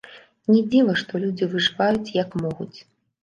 Не дзіва, што людзі выжываюць, як могуць.